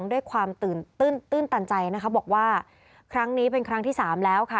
ด้วยความตื่นตื้นตันใจนะคะบอกว่าครั้งนี้เป็นครั้งที่สามแล้วค่ะ